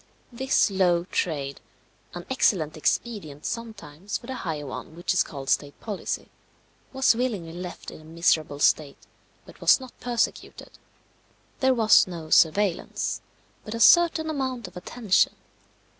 This low trade, an excellent expedient sometimes for the higher one which is called state policy, was willingly left in a miserable state, but was not persecuted. There was no surveillance, but a certain amount of attention.